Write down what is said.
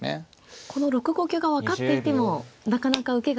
この６五香が分かっていてもなかなか受けが。